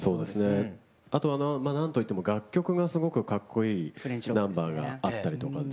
あとはなんといっても楽曲がすごくかっこいいナンバーがあったりとかで。